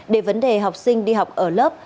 để vấn đề học sinh đi học ở lớp